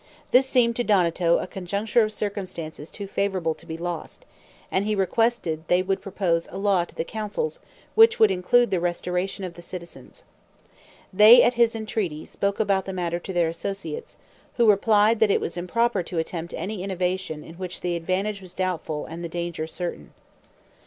This seemed to Donato a conjuncture of circumstances too favorable to be lost, and he requested they would propose a law to the councils, which would include the restoration of the citizens. They, at his entreaty, spoke about the matter to their associates, who replied, that it was improper to attempt any innovation in which the advantage was doubtful and the danger certain.